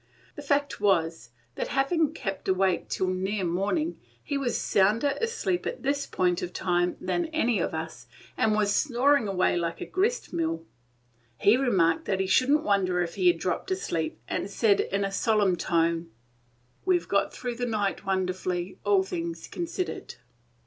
The fact was that, having kept awake till near morning, he was sounder asleep at this point of time than any of us, and was snoring away like a grist mill. He remarked that he should n't wonder if he had dropped asleep, and added, in a solemn tone, "We 've got through the night wonderfully, all things considered."